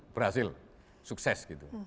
berhasil sukses gitu